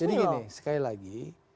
jadi gini sekali lagi